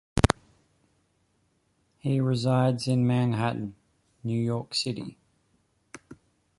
He resides in Manhattan, New York City.